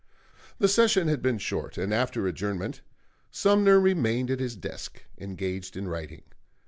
The session had been short, and after adjournment Sumner remained at his desk, engaged in writing.